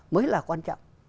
mới là quan trọng